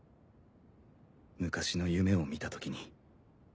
昔の夢を見たときに。